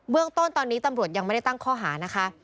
เรื่องต้นตอนนี้ตำรวจยังไม่ได้ตั้งข้อหานะคะ